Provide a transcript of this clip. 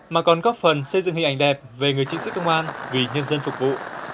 mà còn góp phần xây dựng hình ảnh đẹp về người chiến sĩ công an vì nhân dân phục vụ